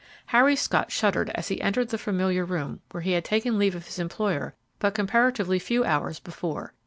Harry Scott shuddered as he entered the familiar room where he had taken leave of his employer but comparatively few hours before.